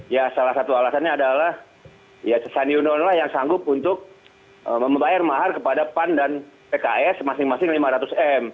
ya salah satu alasannya adalah ya sandi uno lah yang sanggup untuk membayar mahar kepada pan dan pks masing masing lima ratus m